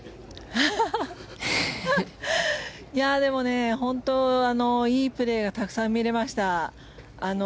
でも、本当にいいプレーがたくさん見れました。